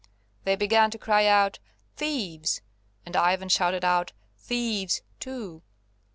They began to cry out, "Thieves!" and Ivan shouted out, "Thieves!" too.